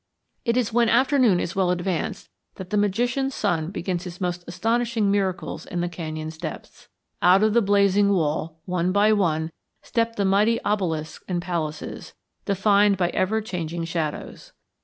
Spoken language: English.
It is when afternoon is well advanced that the magician sun begins his most astonishing miracles in the canyon's depths. Out from the blazing wall, one by one, step the mighty obelisks and palaces, defined by ever changing shadows.